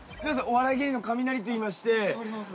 お笑い芸人のカミナリといいまして。